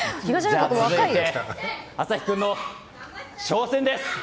続いて、アサヒ君の挑戦です！